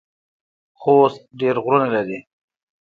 خوست ډیر غرونه لري